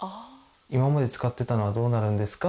今まで使ってたのはどうなるんですか？